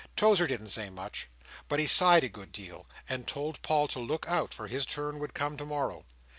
Tozer didn't say much, but he sighed a good deal, and told Paul to look out, for his turn would come to morrow.